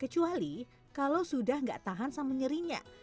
kecuali kalau sudah tidak tahan sama nyerinya